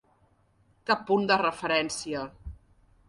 Cap punt de referència.